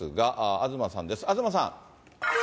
東さん。